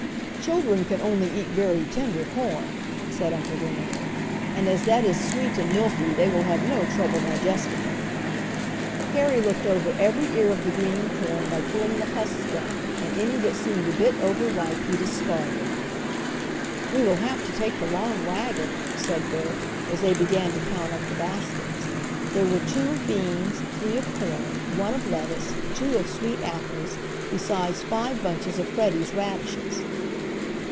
"Children can only eat very tender corn," said Uncle Daniel, "and as that is sweet and milky they will have no trouble digesting it." Harry looked over every ear of the green corn by pulling the husks down and any that seemed a bit overripe he discarded. "We will have to take the long wagon," said Bert, as they began to count up the baskets. There were two of beans, three of corn, one of lettuce, two of sweet apples, besides five bunches of Freddie's radishes.